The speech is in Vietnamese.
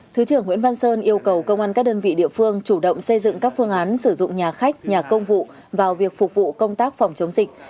thứ trưởng nguyễn văn sơn yêu cầu công an các đơn vị địa phương chủ động xây dựng các phương án sử dụng nhà khách nhà công vụ vào việc phục vụ công tác phòng chống dịch